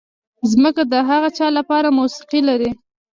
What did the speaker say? ځمکه د هغه چا لپاره موسیقي لري.